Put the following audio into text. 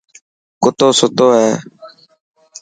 ڪتو ستو هي.